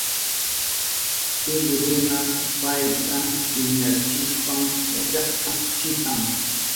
Shuk runa payta piñachishpan yachakka shitan.